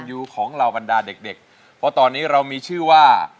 ยังอยู่ของเราบรรดาเด็กเพราะตอนนั้นเรามีชื่อว่า